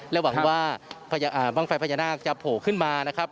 หวังว่าบ้างไฟพญานาคจะโผล่ขึ้นมานะครับ